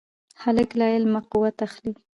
هلک له علمه قوت اخلي.